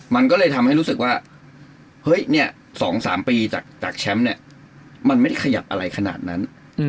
มันก็เลยทำให้รู้สึกว่าเฮ้ยเนี่ย๒๓ปีจากแชมป์เนี่ยมันไม่ได้ขยับอะไรขนาดนั้น